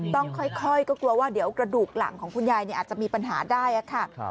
ต้องค่อยก็กลัวว่าเดี๋ยวกระดูกหลังของคุณยายอาจจะมีปัญหาได้ค่ะ